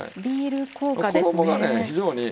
ビール効果ですね。